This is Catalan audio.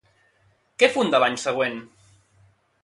Què funda l'any següent?